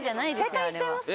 正解にしちゃいますか？